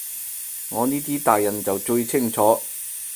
我呢啲大人就最清楚